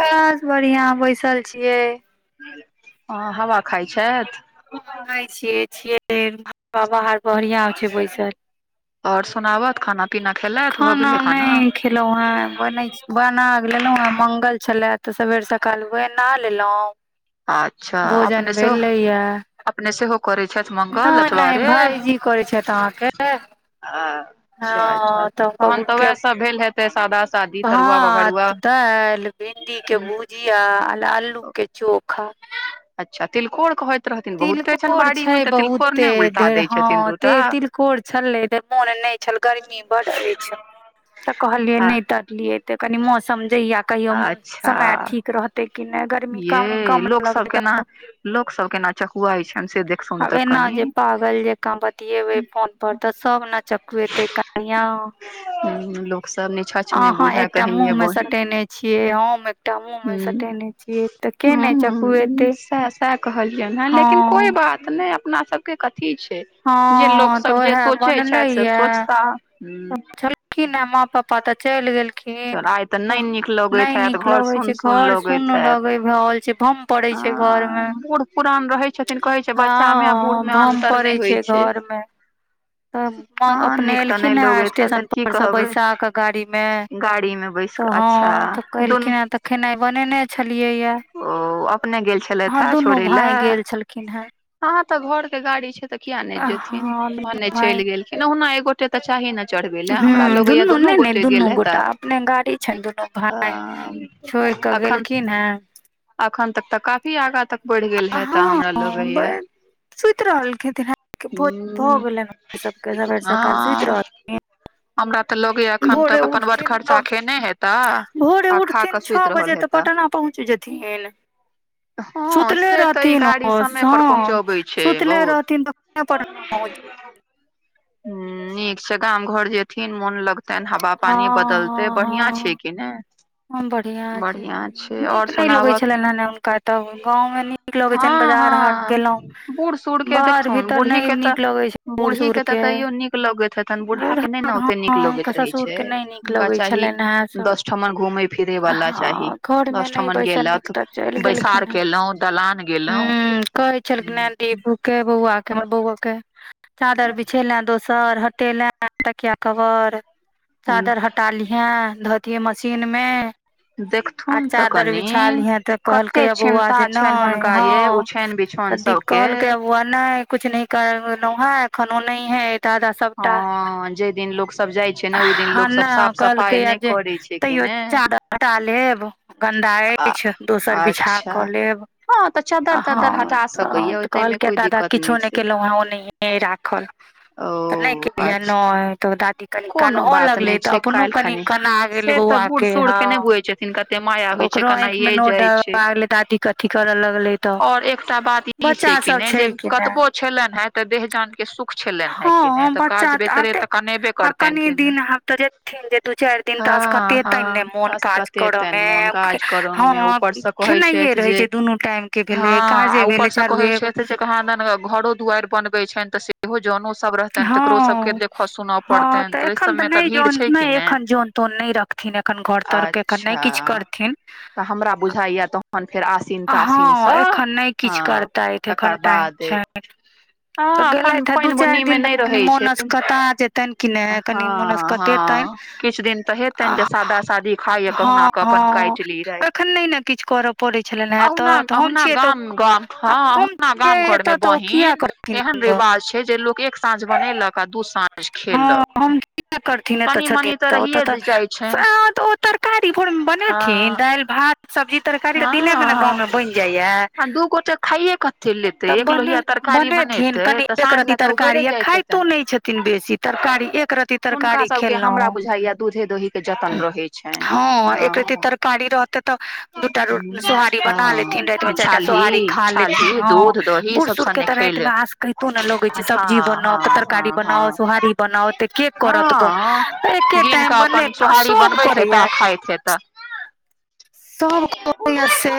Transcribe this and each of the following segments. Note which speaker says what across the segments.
Speaker 1: कश बढ़ियां बैसल छियै
Speaker 2: हैं हवा खाइ छथि
Speaker 1: हँ खााय छियै छियै बाब बढ़ियां छै बैसल
Speaker 2: और सुनाव खाना पिना खलेत
Speaker 1: खाना नहि खेलौ हें बने बना लेलहुं हें मंगल छले तऽ सबेर सकाल बना लेलहुँ भोजन भेल रहेया नहि नहि भाायजी करै छथि अहाँके
Speaker 2: अ अच्छा अच्छा तहन तऽ उएह सब भेल हेतै सादा
Speaker 1: भात दालि भिंडी के भुजिया आलू के चोप खा
Speaker 2: अच्छा तिलकोर कह
Speaker 1: तिलकोर छै बहुतेधेर हँ तिलकोर छलैर मोन नहि छल गर्मी बड अछि तऽ कहलियै नहि तरलियै तऽ कनी मौसम जहिया कहियो समय ठीक रहते की नहि गर
Speaker 2: ये लोक सब केना लोक सब केना चकुआ छनि से दे
Speaker 1: आब ऐना जे पागल जे का बतियेबै फोन पर तऽ सब नऽ चकुेते कनियाँ
Speaker 2: ओनाही लोक सब निछछ ने बुझहे कही यै बहिन हुँ हुँ हुँ सैह सब सैह कहलियनि हँ लेकिन कोइ बात नय अपना सबके कथी छै जे लोकसभ जे सोचै छथि से सोचता हूँ
Speaker 1: एलखिन हें माँ पप्पा पापा तऽ चलि गेलखिन तऽ, नय नीक लगै छै घर सुन्न लगै भ‌ऽ गेल छै भम्म पड़ै छै घर मे हँ भम्म पड़ै छै घरमे
Speaker 2: [inaudible]
Speaker 1: तऽ अपने एलखिन हेँ स्टेशन पर से बैसा कऽ गाड़ी मे तऽ हँ तऽ एलखिन हें तऽ खेनाइ बनेने छलियै ये हॅं दुनू भांय गेल छलखिन हे।
Speaker 2: हॅं हॅं तऽ घर के गाड़ी छै तऽ किया नय जेथिन भने चलि गेलखिन ओहुना एगो एक गोटे तऽ चाही न चढ़बैले हमरा लगैये दुनू गोटे गेल हेता आऽ अखन अखन तक तऽ काफी आगाँ तक बढ़ि गेल हेता हमरा लगैए हुँ हँ हमरा तऽ लगैये अखन तक अपन बट खर्चा खेने हेता आ खा कऽ सुति रहल हेता
Speaker 1: पटना पहुँच जेथिन।
Speaker 2: हँ से तऽ ई गाड़ी समय पर पहुँचबै छै बहुत हूॅं नीक से गाम घर जेथिन मोन लग तहन हवा पानी बदलतै बढ़ियाँ छै कि ने
Speaker 1: हँ बढ़ियाँ छै नीक नय लगै छलनि हन हुनका एतऽ गाँवमे नीक लगैत छनि बाजार हाट गेलौं
Speaker 2: बूढ़ सूढ़ के देखथुन बूढ़ी के तऽ बूढ़ी के तऽ तैयो नीक लगैत हेत न बूढ़ा के नय न ओते नीक लगैत रहै छै हुनका चाही दसटा ठमन घूमै फिरे वाला चाही दस ठमन गेलथि बैसार केलौं दलान गेलौं
Speaker 1: कहै छलखिन हें दीपू के बौआके हमर बौआके चादर बिछेलें दोसर हटेलें तकिया कवर चादर हटा लिहे धो दीहें मशीन मे आ चादर बिछा लिहें तऽ कहलकै य बौआ जे नय हँ तऽ दी कहलकै ये बौआ नै किछ नै करऽ ले एलौं हें एखन ओनहिये हे एतऽ दस गोटा हँ न कहलकैये जे तैयो चारि हटा लेब गन्दा अछि दोसर बिछान कऽ लेब हँ तऽ कहलकैये दादा किछो नय केलहुँ हेँ ओनहिये ऐ राखल तऽ नै केलियै नय तऽ ओ दादी कनी कनहो लगलै तऽ अपनो कनी कना गेलै बौआ के हँ ओकरो आँखि मे नोर ढ़बढ़बा गेलै दादी के अथी करऽ लगलै तऽ बच्चा सब छै किने
Speaker 2: छलनि हें तऽ देह जान के सुख छलनि हेँ किने तऽ काज वेतरे तऽ कनेबे करतै न किने हॅं हॅं असकतेतनि मोन काज करऽ मे ऊपर सँ कहै छथि जे, हँ आ ऊपर से कहै छथि जे कहाँदन घरो दुआरि बनबै छनि तऽ से सेहो जनो सब रहतनि तेकरो सबके देखऽ सुनऽ पड़तनि
Speaker 1: एखन तऽ नय जन नय एखन जन तन नय रखथिन एखन घर तरके एखन नै किछ करथिन
Speaker 2: तऽ हमरा बुझाइये तहन फेर आसीन
Speaker 1: हँ एखन नय किछ करतथि एखन टाइम छै तऽ गेलथि हे दू चारि दिन तऽ कनि मोन असकता जेतनि किने मुन असकतेतनि आ ह हँ तखन नय न किछ करऽ पड़ै
Speaker 2: अहुना अहुना गाम गाम हँ ओहुना गाम घर मे बहिन एहन रिवाज छै जे लोक एक साँझ बनेलक आ दू साँझ खेलक
Speaker 1: किया करथिन एत छथिन तऽ ओतऽ तऽ एं ओ तरकारी भोर मे बनेथिन दाइल भात सब्जी तरकारी दिने मे न गाँव मे बनि जाइये तब बने बनेथिन कनि एक रती तरकारीआ खाइतो नय छथिन बेसी तरकारी एक रती तरकारी खेलौं हँ एक रति तर कारी रहतै तऽ दूटा रोटी सोहारी बना लेथिन राति मे चारि टा सोहारी खा लेथिन ह बूढ़ सूढ़ के ते राति मे आस् कैतो न लगै छय सब्जी बनाउ तरकारी बनाउ सोहारी बनाउ तऽ के करत गऽ त एके टाइम बनेत आ सब करैया
Speaker 2: से तऽ
Speaker 1: सब करैया से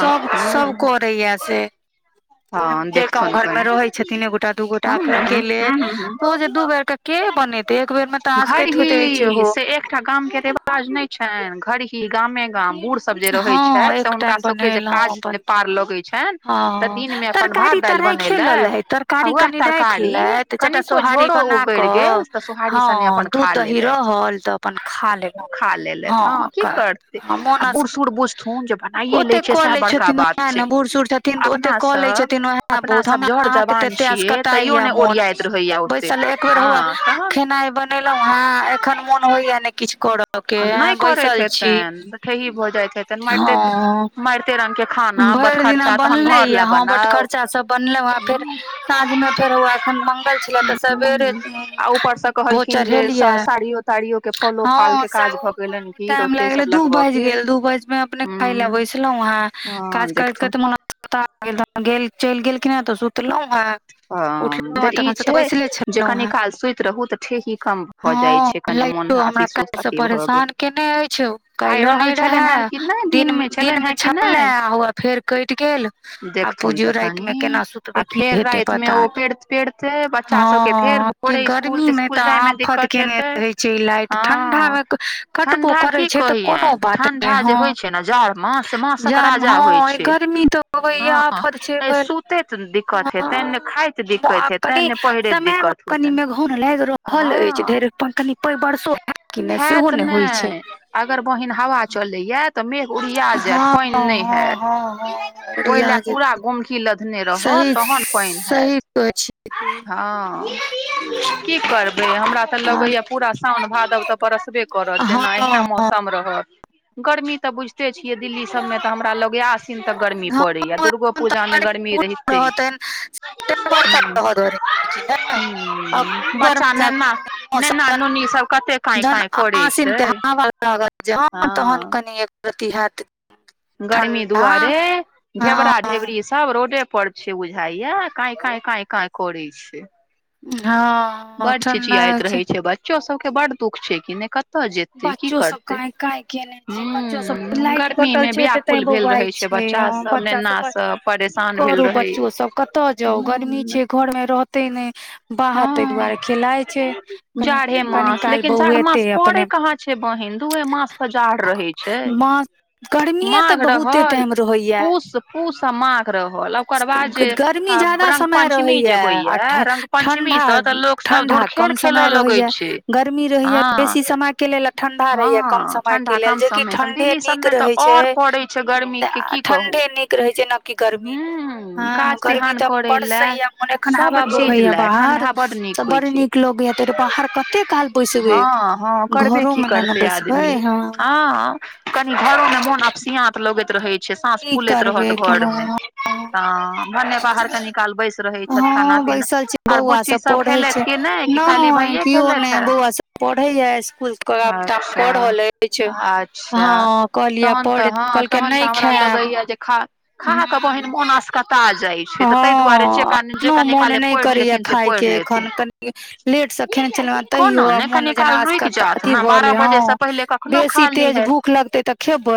Speaker 1: सब सब करै या से
Speaker 2: [inaudible] हँ देखथुन कनि हूं हूं हुं हुं घर ही से एकटा गाम के रिवाज नय छनि घरही गामे गाम बूढ़
Speaker 1: हँ एक टाइम बनेलौं अपन
Speaker 2: लगै छनि
Speaker 1: हँ तरकारी तऽ राइखे लेलइ तरकारी कनि राख ले चारिटा सोहारी बना कऽ हँ दूध दही रहल त अपन खा लेलौं हँ मोन अस ओते कऽलै छथिन अपन बूढ़ सूढ़ छथिन तऽ ओते कऽ लै छथिन वएह बहुत हमरा अहाँके ते एते अस्कताये मोन बसिल एक बेर होए खेनाइ बनेलौं हें एखन मोन होइया नय किछ करऽ
Speaker 2: नय करति हेतनि त ठेही भऽ जाइत हेतनि मारिते माइर ते रंग के खाना बट खर्चा
Speaker 1: बनलैया हं बट खर्चा सब बनले हं फेर साँझ मे फेर एखन मंगल छले तऽ सबेरे म भो चड़ेलिया हँ [unintelligible] मे टाइम लागलै दू बजि गेल दू बजे मे अपने खाय ले बैसलों हें
Speaker 2: हँ देखथुन
Speaker 1: [unintelligible] गेल चलि गेलखिन ने तऽ सुतलौं हें
Speaker 2: हं त इ छै जे कनी काल सुइत रहू तऽ ठेही कम भऽ जाइ छै कनि मोन अथी सुस्त अथी भऽ गेल आइ रहल छलनि हेऽत कि नय दिन मे छलनि हे कि नय देखथुन तऽ कनी आ फेर राति मे ओ पेर पेरतै बच्चा सब के फेर भोरे मे स्कूल तिस्कुल जाय मे दिक्कत हेतय हं ठंडा की कहयनि ठंडा जे होय छै ने जाड़ मास से मासक राजा होइ छै हँ तऽ सुतेत दि तै नय खायत दिक्कत हेतेन न पहिरैत दिक्कत होतैन आ हँ हैत नय अगर बहिन हवा चलैय तऽ मेघ उड़िया जैत पाइन नय हैत ओइ लऽ पूरा गुमकी लधने रहत तहन पाइन हैत हँ कि करबै हमरा तऽ लगैय पूरा साउन भादव तऽ बरसबे करत जेना ऐहिना मौसम रहत गर्मी तऽ बुझिते छियै दिल्ली सबमे तऽ हमरा लगै यऽ आसिन तक गर्मी पड़ै यऽ दुर्गो पूजा मे गर्मी रही
Speaker 1: हँ तहन
Speaker 2: [inaudible]
Speaker 1: [unintelligible] जहन आसिन केँ हाबा लागत जहन तहन कनि एक रती हैत
Speaker 2: गर्मी दुआरे झेबरा झेबरीस सब रोडे पर छै बुझाइ यऽ काय - काय, काय - काय करै छै।
Speaker 1: हँ
Speaker 2: बड चिचियाइत रहै छै बच्चो सब केँ बड दुःख छै कि नय क
Speaker 1: बच्चो सब काय - काय केने छै बच्चो सब लाइट कटल छै तऽ। तैय बौआइ छै बच्चा सब कऽ की करू बच्चो सब कतऽ जाउ गर्मी छै। घर मे रहतै नय बाहर ताहि दुआरे खेलाइ छै कनि कनि काल बैएतै अपने।
Speaker 2: छै बहिन दुए मस तऽ जाड़ रहै
Speaker 1: मा गर्मीए तऽ बहुते टाइम रहै य गर्मी ज्यादा समय रहै य आ ठ ठंडा - ठंडा कम समय रहै यऽ गर्मी रहै य बेसी समय। केँ लेल ठण्डा रहै यऽ कम समय केँ लेल जेकि ठण्डे नीक रहै छै। तऽ आ ठण्डे नीक रहै छै नऽ कि गर्मी हँ गर्मी तऽ पडसै यऽ ओन एखन हवा बहैय बाहर तऽ बड़ नीक लगैय तऽ बाहर कते काल बैसबै।
Speaker 2: हँ - हँ करबे की करतै आदमी हँ। कनी घरो मे मोन अपसियात लगैत रहै छै साँस फूलैत रहत घर मे हँ भने बाहर कनिकाल बैस रहै छथ खाना पीना। आओर बुच्ची सब खेलैत कि नय कि खाली भाइये खेलैत हँ अच्छऽ अच्छा तहन तऽ हँ। तहन तऽ हमरा लगे यऽ जे खा खाहा कऽ बहिन मोन असकता जाइ छै तऽ तैय दुआरे जे कान जे कनि काले। पैढ़ लेथिन से पैढ़ लेथिन खो नऽ नय कनी काल रुक जाथ माँ बारह बजे से पहिले कखनो खा लीहैत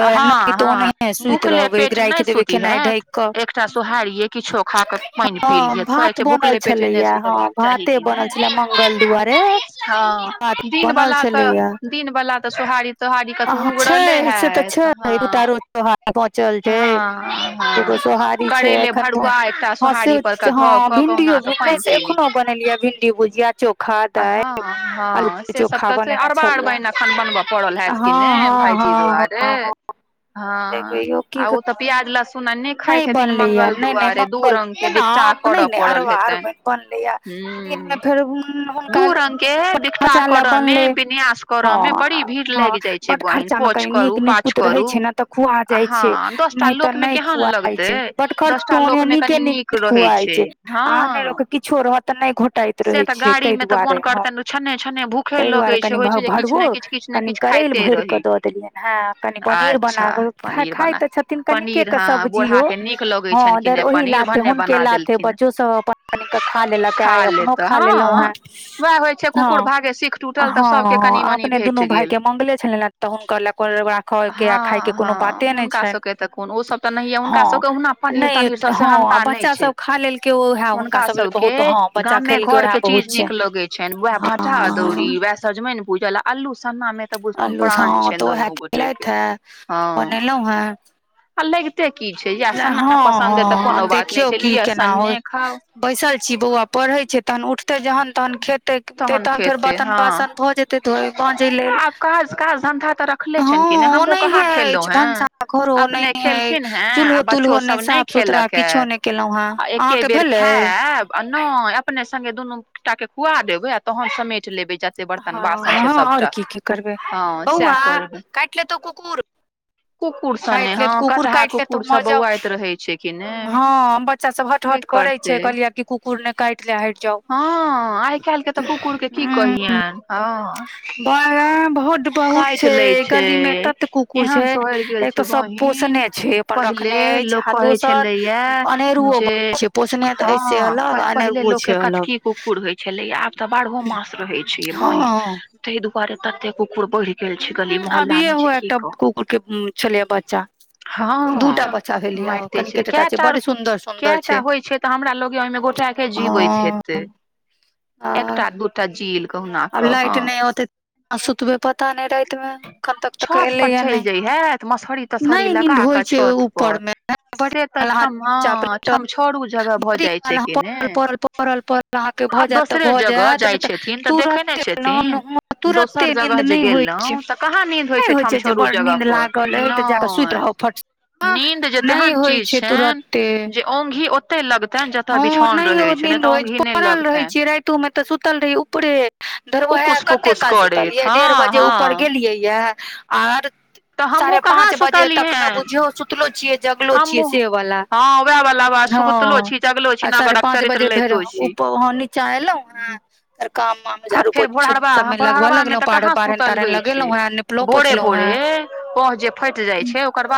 Speaker 2: हँ - हँ भूखले पेट नय सु ति हैत एकटा सोहारिये किछो खा कऽ पाइन पी ली हैथ कहै छै भुखले पेटे नय सुतबाक चाही की नय हँ दिन बला तऽ दिन बला तऽ सोहारी तोहारी कतहु उबरले हैत हँ
Speaker 1: [unintelligible] एगो सोहारी छै एखन हँ से हँ भिंडियो भु नय से एखनो। बनल यऽ भिन्डी भुजिया चो
Speaker 2: हँ - हँ से सब तऽ छै अरबा - अरबाइन अखन बनबऽ पड़ल। [unintelligible]
Speaker 1: नय बनलैया नय नय मंगल छय न नय नय अरबा अरबनि बनलै या दिन मे [unintelligible] [unintelligible] बनलै हँ हँ बट्ट खर्चा मे कनि नीक निकुत रहै छै न तऽ खुआ जाइ छै नय त नय खुआइ छै बट्ट खर्चो नीके निकुत खुआइ छै आ अनेरे के कि छो रहत तऽ नय घोटाइ रहै छियै तै दुआरे ह तै दुआरे कनि भ भरूवो कनि करलि भरि कऽ दऽ देलियनि हँ कनि पनीर बना कऽ खाइ खाय तऽ छथिन कनिके क सब्जी ओ हं धरि ओहि लाथे हुनके लाथे बच्चो सब अपन कनि क खा लेलऽ केऽ आइ अपनो खा खा लेलौं हें हं हं अपने दुनू भाय के मंगले छलनि हें तऽ हुनकर लएराखयके आ खायके कोनो बाते नय छनि
Speaker 2: तऽ कोन उ सब तऽ नहिये हुनका सभके ओहुना पनीर तनीर स सेहंता नय छनि हुनका सभ के गामे घर के चीज नीक लगै छनि वएह भाटा अदौड़ी वएह सजमनि भूजल आ अलू सन्ना मे त बुझथुन प्रान छनि दुनू गोटे के हँ
Speaker 1: हँ हँ देखियौ की केना होइत बसिल छी बौआ पढ़ै छै तहन उठतै जहन तहन खेतैे तहन फेर बर्तन बासन भऽ जेतै धोय मांजै लेल हँ ओनहिये अछि भनसाघर ओनाहिये अइ चूल्हो तूल्हो नय साफ सुथरा किछो नय केलहुं हेँ अहाँके भेलै
Speaker 2: आ नय अपने संगे दुनू गोटा के खुआ देबै आ तहन समटि लेबै ज
Speaker 1: हँ हँ आओर की की करबै बउआ काटि लेतौ कुकुर काइट लेत कुकुर काइट लेत तऽ उमहर जाउ हँ बट बच्चा सब हटहट करै छै कहलिया की कुकुर ने काटि ले हटि जाउ
Speaker 2: हँ आइ काइल्ह के तऽ कुकुर के की कहियनि हँ काटि लै छै एहन सोहरि गेल छै बहिन पहिले लोक कहै छेलैया जे हँ प पहिले लोक के कचकी कुकुर होय छलैया आब तऽ बारहो मास रहै छै यै बहिन ताहि दुआरे तते कुकुर बढ़ि गेल छै गली मोहल्ला मे छै कि कहु हँ मरिते छै केएटा केएटा होइ छै तऽ हमरा लगै या ओहिमे गोटेके जीवति हेते एकटा दूटा जील
Speaker 1: आब लाइट नय अतै आ सुतबै पता नय राति मे एखन तक तऽ एलै या नय
Speaker 2: त मसहरी मसहरी लगा कऽ छत पर से त ठम ह ठम छड़ू जगह भऽ जाय छै
Speaker 1: [unintelligible] पड़ल पड़ल अहाँके भऽ जायत तऽ भऽ जायत नय तऽ तुरते न तुरते नींन्द नय होइ छै नय होइ छै जे बड़ नींद लागल अछि जाकऽ सुति रहब फट
Speaker 2: नीन्द जे तेहन चीज छनि जे ओंघी ओते लगतनि ज
Speaker 1: हँ नय ओ निंद होय छै पड़ल रहै छीयै राइतो मे तऽ सुतल रहियै ऊपरे धर ओहे कते काल सुतलियै डेढ़ बजे ऊपर गेल लियै य आर
Speaker 2: तऽ हमहूँ कऽ
Speaker 1: पाँच बजे तक मे बुझियो सुतलो छियै जगलो छियै से बला हँ आ साढ़े पाँच बजे भैर ऊप हँ नीचा एलहुँ हँ फेर काम वाम
Speaker 2: आ फेर भोरहरवा भोरहरवा मे तऽ कहाँ सुतल होइ छै भोरे - भोरे पहु जे फइट जाइ छै ओकर बाद